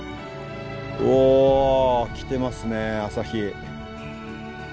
おきてますね朝日。